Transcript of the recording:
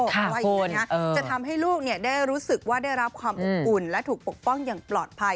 จะทำให้ลูกได้รู้สึกว่าได้รับความอุ่นและถูกปกป้องอย่างปลอดภัย